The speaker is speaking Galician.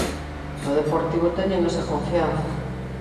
No Deportivo teñen esa confianza.